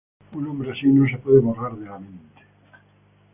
Un hombre así no se puede borrar de la mente.